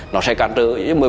nó sẽ cản trở